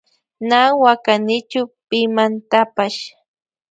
Na wakanichu pimantapash.